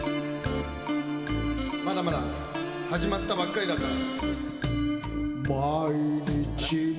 まだまだ始まったばっかりだから。